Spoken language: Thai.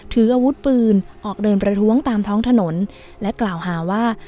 ถืออาวุธปืนออกเดินประท้วงตามท้องถนนและกล่าวหาว่า